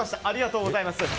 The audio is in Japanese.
ありがとうございます。